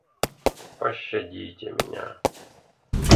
Пощадите меня!